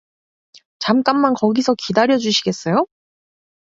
잠깐만 거기서 기다려주시겠어요?